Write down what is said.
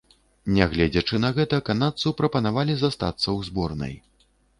Нягледзячы на гэта, канадцу прапанавалі застацца ў зборнай.